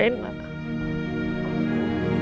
jangan hablurnah nangis selalu